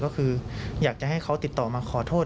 ก็คืออยากจะให้เขาติดต่อมาขอโทษ